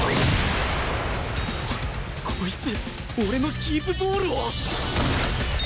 はっ！？こいつ俺のキープボールを！